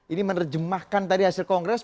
ini menerjemahkan tadi hasil kongres